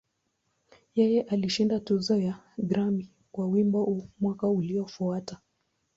Yeye alishinda tuzo ya Grammy kwa wimbo huu mwaka uliofuata.